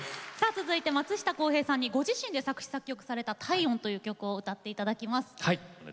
続いては松下洸平さんにご自身で作詞・作曲された「体温」という曲を歌っていただきます。